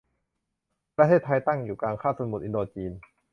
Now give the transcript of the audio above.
ประเทศไทยตั้งอยู่กลางคาบสมุทรอินโดจีน